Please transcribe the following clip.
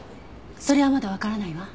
それはまだわからないわ。